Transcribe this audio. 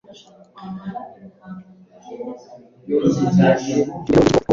kugira ngo amurikire ituro uhoraho